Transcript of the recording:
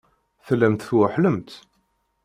Tellamt tweḥḥlemt.